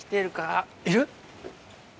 いる？